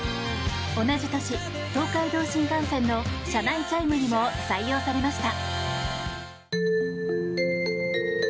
同じ年、東海道新幹線の車内チャイムにも採用されました。